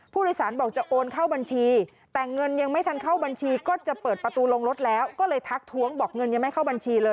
ผู้โดยสารบอกจะโอนเข้าบัญชีแต่เงินยังไม่ทันเข้าบัญชีก็จะเปิดประตูลงรถแล้วก็เลยทักท้วงบอกเงินยังไม่เข้าบัญชีเลย